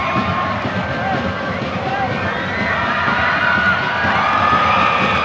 สวัสดีครับขอรับเพลงชาติ